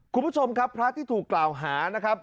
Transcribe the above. คุณผู้ชมครับพระที่ถูกกล่าวหานะครับ